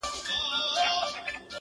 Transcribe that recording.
له نژدې ليري ملكونو وه راغلي!.